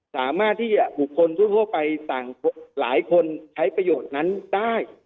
สามารถที่จะบุคคลทั่วไปต่างหลายคนใช้ประโยชน์นั้นได้